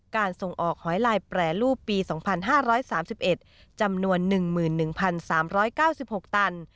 ส่งออกหอยลายแปรรูปปี๒๕๓๑จำนวน๑๑๓๙๖ตัน